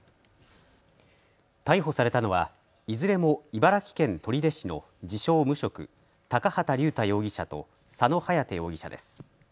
逮捕されたのはいずれも茨城県取手市の自称、無職、高畑竜太容疑者と佐野颯容疑者です。